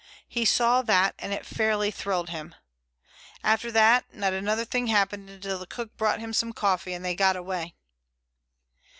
He saw that, and it fairly thrilled him. After that not another thing happened until the cook brought him some coffee and they got away."